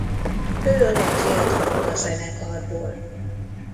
Ő a legfiatalabb a zenekarból.